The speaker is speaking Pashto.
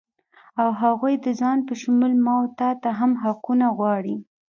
او هغوی د ځان په شمول ما و تاته هم حقونه غواړي